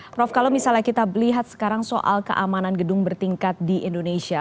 prof kalau misalnya kita lihat sekarang soal keamanan gedung bertingkat di indonesia